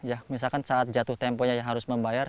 ya misalkan saat jatuh temponya yang harus membayar